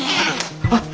あっ。